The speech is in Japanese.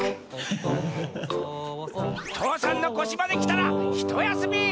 父山のこしまできたらひとやすみ！